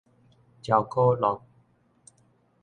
昭可洛